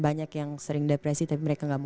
banyak yang sering depresi tapi mereka nggak mau